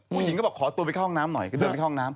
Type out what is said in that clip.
ผู้หญิงก็บอกขอตัวไปเข้าห้องน้ำหน่อยก็เดินไปเข้าห้องน้ำ